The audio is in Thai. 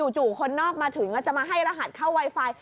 คนนอกมาถึงจะมาให้รหัสเข้าไวไฟ